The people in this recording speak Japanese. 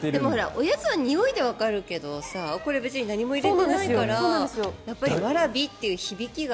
おやつはにおいでわかるけどこれ、何も入れてないからやっぱりわらびという響きが。